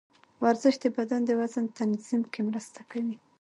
ورزش د بدن د وزن تنظیم کې مرسته کوي.